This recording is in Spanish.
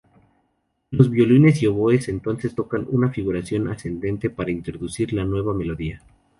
Los violines y oboes entonces tocan una figuración ascendente para introducir la nueva melodía.